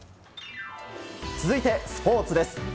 続いてスポーツです。